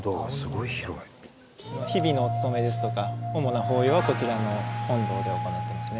日々のお勤めですとか主な法要はこちらの本堂で行ってますね。